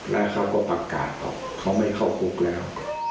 และเขาก็พักการเขาไม่เข้าคุกแล้ว